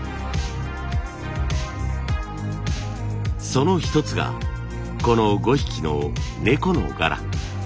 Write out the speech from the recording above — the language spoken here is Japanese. その一つがこの５匹の猫の柄。